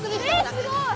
えすごい！